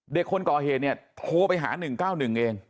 เด็กคนก่อเหตุเนี่ยโทรไปหา๑๙๑เอง